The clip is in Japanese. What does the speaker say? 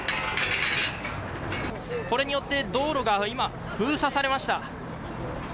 これによって道路が今、封鎖されました。